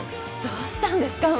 どうしたんですか？